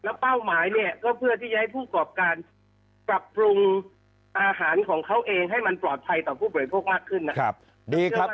เป้าหมายเนี่ยก็เพื่อที่จะให้ผู้ประกอบการปรับปรุงอาหารของเขาเองให้มันปลอดภัยต่อผู้บริโภคมากขึ้นนะครับ